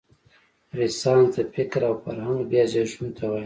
رنسانس د فکر او فرهنګ بیا زېږون ته وايي.